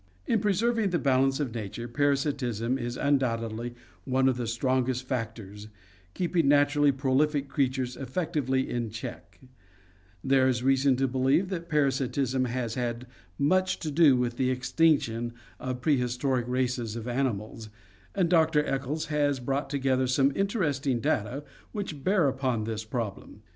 In preserving the balance of nature, parasitism is undoubtedly one of the strongest factors, keeping naturally pro lific creatures effectively in check/ There is reason to believe that parasitism has had much to do with the extinction of prehistoric races of animals, and Doctor Eccles has brought together some in teresting data which bear upon this problem.